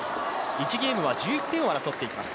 １ゲームは１１点を争っていきます。